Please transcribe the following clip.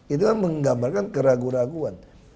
itu kan menggambarkan keraguan keraguan